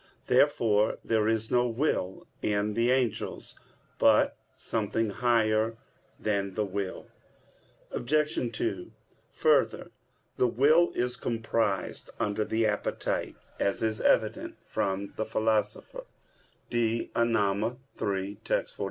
Therefore there is no will in the angels, but something higher than the will. Obj. 2: Further, the will is comprised under the appetite, as is evident from the Philosopher (De Anima iii, text.